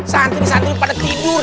santri santri pada tidur